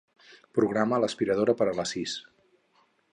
Programa l'aspiradora per a les sis.